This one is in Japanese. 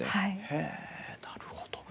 へえなるほど。